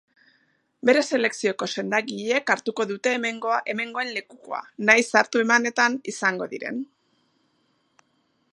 Bere selekzioko sendagileek hartuko dute hemengoen lekukoa, nahiz hartu emanetan izango diren.